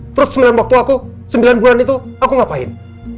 terus sembilan waktu aku sembilan bulan itu aku ngapain